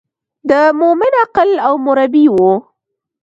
د مومن عقل او مربي و.